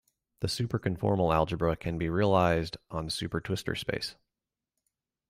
The superconformal algebra can be realized on supertwistor space.